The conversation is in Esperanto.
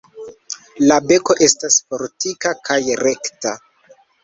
La beko estas fortika kaj rekta.